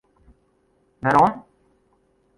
Werom.